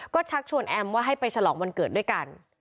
ก็ชักชวนแอมว่าให้ไปฉลองวันเกิดด้วยกัน